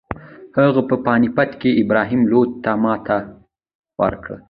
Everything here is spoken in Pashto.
هغه په پاني پت کې ابراهیم لودي ته ماتې ورکړه.